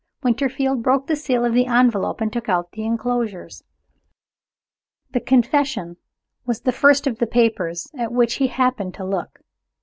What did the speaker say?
Winterfield broke the seal of the envelope and took out the inclosures. The confession was the first of the papers at which he happened to look.